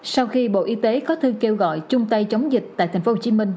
sau khi bộ y tế có thư kêu gọi chung tay chống dịch tại tp hcm